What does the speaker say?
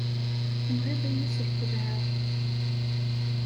Tenɣiḍ-iyi s lxeεla!